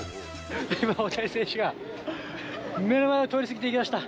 今、大谷選手が、目の前を通り過ぎていきました。